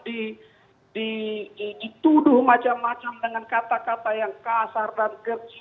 di di dituduh macam macam dengan kata kata yang kasar dan kecil